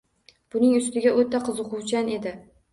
Buning ustiga, o`ta qiziquvchan edi